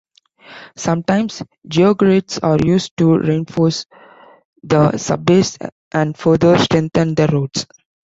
Sometimes, geogrids are used to reinforce the subbase and further strengthen the roads.